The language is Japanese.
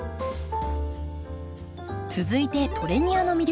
続いてトレニアの魅力